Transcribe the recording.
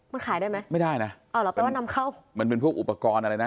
มันขายได้ไหมไม่ได้นะอ๋อเหรอแปลว่านำเข้ามันเป็นพวกอุปกรณ์อะไรนะ